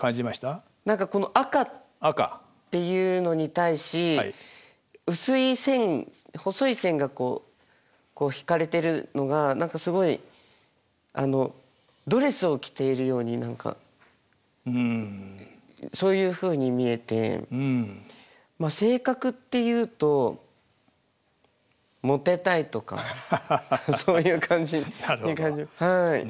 何かこの赤っていうのに対し薄い線細い線がこう引かれてるのが何かすごいドレスを着ているように何かそういうふうに見えてまあ性格っていうとなるほどね。